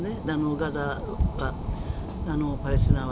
ガザが、パレスチナは。